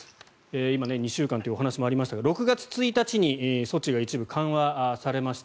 今、２週間というお話もありましたが６月１日に措置が一部、緩和されました。